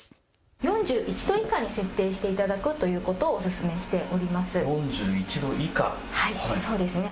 ４１度以下に設定していただくということをお勧めしております。